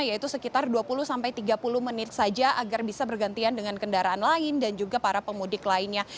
yaitu sekitar dua puluh sampai tiga puluh menit saja agar bisa bergantian dengan kendaraan lain dan juga para pemudik lainnya